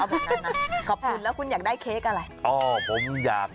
บ้าแล้วไม่เอา